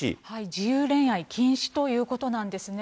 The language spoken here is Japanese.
自由恋愛禁止ということなんですね。